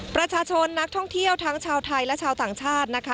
ประชาชนนักท่องเที่ยวทั้งชาวไทยและชาวต่างชาตินะคะ